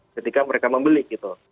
ketika mereka membeli gitu